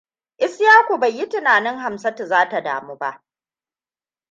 Ishaku bai yi tunanin Hamsatu zai damu ba.